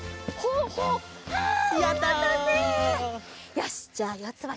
よしじゃあよつば